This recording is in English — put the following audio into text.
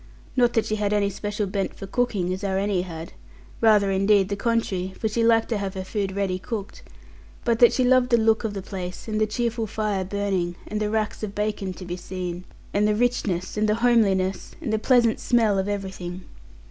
Not that she had any special bent for cooking, as our Annie had; rather indeed the contrary, for she liked to have her food ready cooked; but that she loved the look of the place, and the cheerful fire burning, and the racks of bacon to be seen, and the richness, and the homeliness, and the pleasant smell of everything.